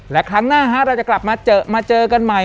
และครั้งหน้าเราจะกลับมาเจอมาเจอกันใหม่